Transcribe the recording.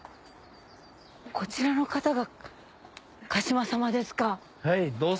こちらの方がかしま様ですか。